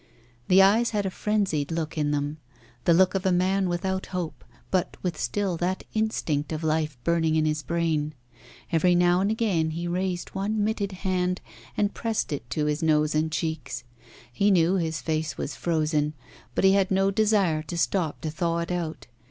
The eyes had a frenzied look in them, the look of a man without hope, but with still that instinct of life burning in his brain. Every now and again he raised one mitted hand and pressed it to nose and cheeks. He knew his face was frozen, but he had no desire to stop to thaw it out.